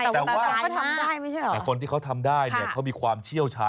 แต่ว่าแต่คนที่เขาทำได้เนี่ยเขามีความเชี่ยวชาญ